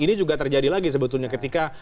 ini juga terjadi lagi sebetulnya ketika